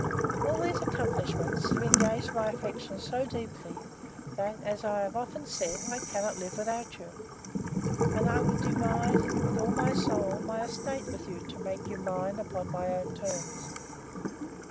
All these accomplishments have engaged my affection so deeply, that, as I have often said, I cannot live without you; and I would divide, with all my soul, my estate with you, to make you mine upon my own terms.